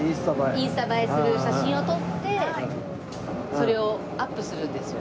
インスタ映えする写真を撮ってそれをアップするんですよ。